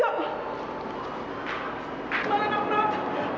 kemana nak berangkat